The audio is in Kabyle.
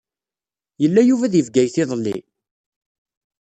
Yella Yuba di Bgayet iḍelli?